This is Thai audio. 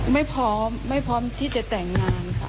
ไม่พร้อมไม่พร้อมที่จะแต่งงานค่ะ